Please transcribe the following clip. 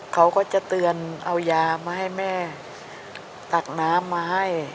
เขาก็จะเตือนเอายามาให้แม่ตักน้ำมาให้